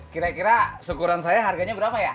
kira kira syukuran saya harganya berapa ya